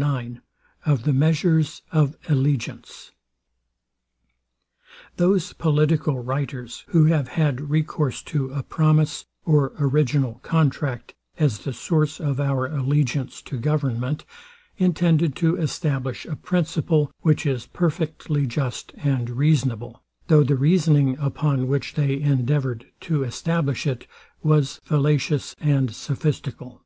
IX OF THE MEASURES OF ALLEGIANCE Those political writers, who have had recourse to a promise, or original contract, as the source of our allegiance to government, intended to establish a principle, which is perfectly just and reasonable; though the reasoning, upon which they endeavoured to establish it, was fallacious and sophistical.